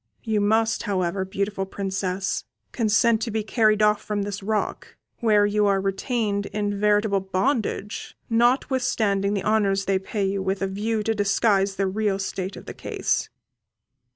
You must, however, beautiful Princess, consent to be carried off from this rock, where you are retained in veritable bondage: notwithstanding the honours they pay you with a view to disguise the real state of the case."